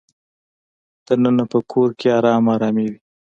دننه په کې ارامه ارامي وي.